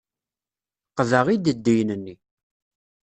Qqdeɣ ideddiyen-nni.